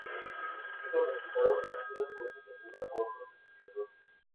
Estos resultados han sido puestos en duda por otros investigadores.